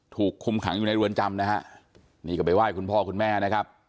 ถูกคุมขังอยู่ในเรือนจำนะฮะนี่ก็ไปไหว้คุณพ่อคุณแม่นะครับ